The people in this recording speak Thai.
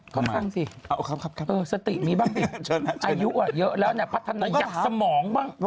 เข้าข้างสิสติมีบ้างสิอายุเยอะแล้วนะพัฒนายักษ์สมองบ้างเชิญนะ